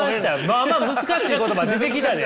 まあまあ難しい言葉出てきたで。